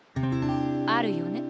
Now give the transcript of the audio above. あるよね。